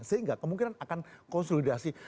sehingga kemungkinan akan konsolidasi